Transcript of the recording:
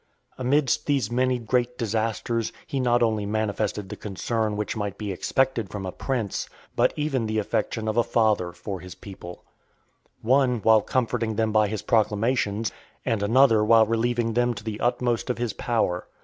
Amidst these many great disasters, he not only manifested the concern (472) which might be expected from a prince but even the affection of a father, for his people; one while comforting them by his proclamations, and another while relieving them to the utmost of his power.